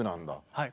はい。